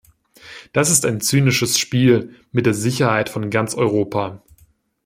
Das ist ein zynisches Spiel mit der Sicherheit von ganz Europa!